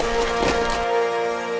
ini adalah pengalaman